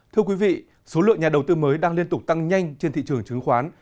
thưa quý vị số lượng nhà đầu tư mới đang liên tục tăng nhanh trên thị trường chứng khoán